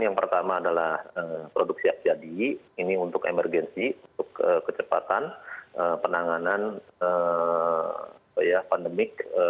yang pertama adalah produksi as jadi ini untuk emergensi untuk kecepatan penanganan pandemik